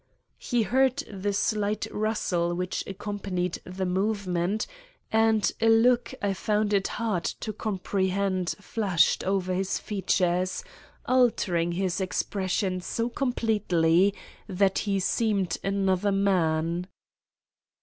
He heard the slight rustle which accompanied the movement, and a look I found it hard to comprehend flashed over his features, altering his expression so completely that he seemed another man.